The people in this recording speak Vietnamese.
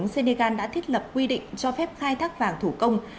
senegal đã thiết lập quy định cho phép khai thác vàng thủ công